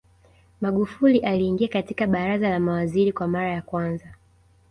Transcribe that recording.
Magufuli aliingia katika Baraza la Mawaziri kwa mara ya kwanza